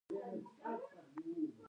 خو ماته د کار په بدل کې پنځوس افغانۍ راکوي